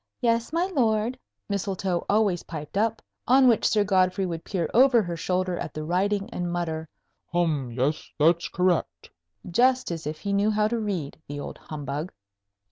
"Yes, my lord," Mistletoe always piped up; on which Sir Godfrey would peer over her shoulder at the writing, and mutter, "Hum; yes, that's correct," just as if he knew how to read, the old humbug!